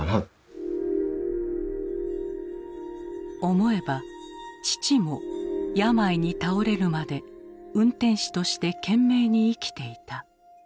思えば父も病に倒れるまで運転士として懸命に生きていた。